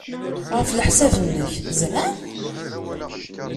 Ɣef leḥsab-nnek, zhan?